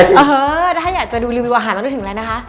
เออถ้าอยากจะดูรีวิวอาหารต้องนึกถึงอะไรนะคะ